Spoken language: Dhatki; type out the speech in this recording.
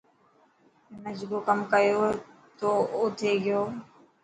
منا جڪو ڪم ڪيو ٿو او ٿي گيو.